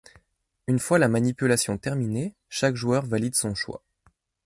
Une fois la manipulation terminée, chaque joueur valide son choix.